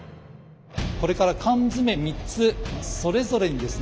これから缶詰３つそれぞれにですね